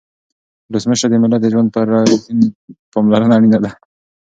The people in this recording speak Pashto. ولسمشره د ملت د ژوند په اړه رښتینې پاملرنه اړینه ده.